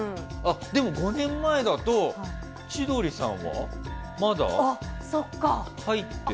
でも５年前だと千鳥さんはまだ入って。